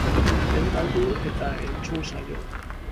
Ez galdu eta entzun saioa!